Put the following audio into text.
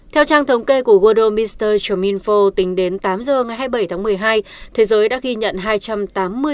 theo trang thống kê của worldo mr cheminfo tính đến tám giờ ngày hai mươi bảy tháng một mươi hai thế giới đã ghi nhận hai trăm tám mươi triệu